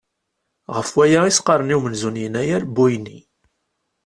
Ɣef waya i as-qqaren i umenzu n yennayer Buyni.